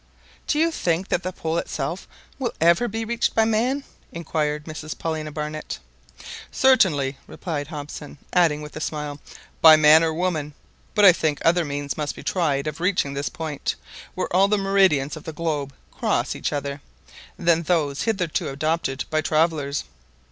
"Do you think that the Pole itself will ever be reached by man?" inquired Mrs Paulina Barnett. "Certainly," replied Hobson, adding with a smile, "by man or woman. But I think other means must be tried of reaching this point, where all the meridians of the globe cross each other, than those hitherto adopted by travellers.